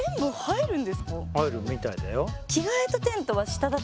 入るみたいだよ。